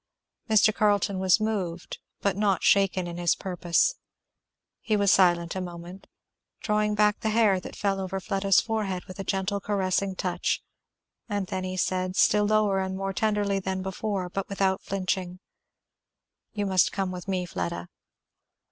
Mr. Carleton was moved, but not shaken in his purpose. He was silent a moment, drawing back the hair that fell over Fleda's forehead with a gentle caressing touch; and then he said, still lower and more tenderly than before, but without flinching, "You must come with me, Fleda."